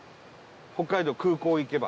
北海道、空港行けば。